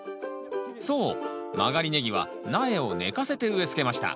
そう曲がりネギは苗を寝かせて植えつけました。